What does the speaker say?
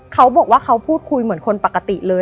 เขาบอกว่าเขาพูดคุยเหมือนคนปกติเลย